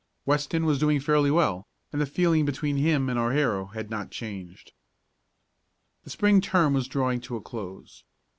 Weston was doing fairly well, and the feeling between him and our hero had not changed. The Spring term was drawing to a close.